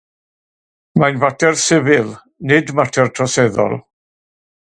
Mae'n fater sifil, nid mater troseddol.